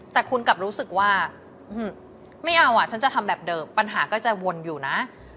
แต่คุณกลับรู้สึกว่าไม่เอาอ่ะฉันจะทำแบบเดิมปัญหาก็จะวนอยู่นะ